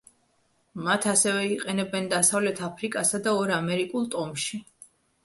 მათ ასევე იყენებენ დასავლეთ აფრიკასა და ორ ამერიკულ ტომში.